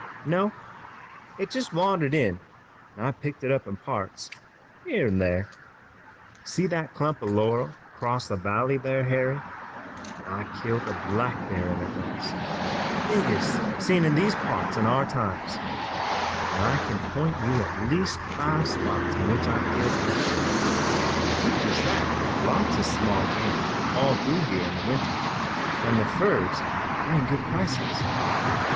"No, it just wandered in an' I've picked it up in parts, here an' thar. See that clump o' laurel 'cross the valley thar, Harry? I killed a black bear in it once, the biggest seen in these parts in our times, an' I kin point you at least five spots in which I've killed deer. You kin trap lots of small game all through here in the winter, an' the furs bring good prices.